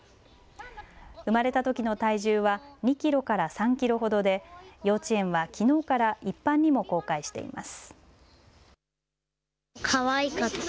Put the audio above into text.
生まれたときの体重は２キロから３キロほどで幼稚園はきのうから一般にも公開しています。